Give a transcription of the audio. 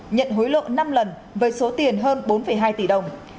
nhận hối lộ năm lần với số tiền hơn bốn hai tỷ đồng